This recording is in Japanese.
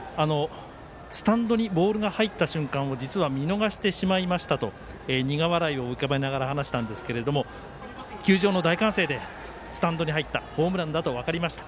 スタンドにボールが入った瞬間を実は見逃してしまいましたと苦笑いを浮かべながら話したんですが球場の大歓声でスタンドに入ったホームランだと分かりました。